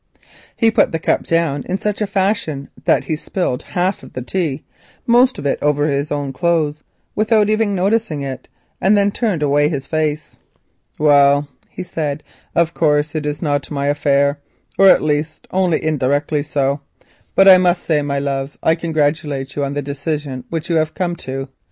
He put the cup down in such a fashion that he spilt half the tea, most of it over his own clothes, without even noticing it, and then turned away his face. "Well," he said, "of course it is not my affair, or at least only indirectly so, but I must say, my love, I congratulate you on the decision which you have come to.